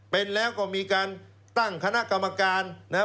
เป็นแล้วก็มีการตั้งคณะกรรมการนะครับ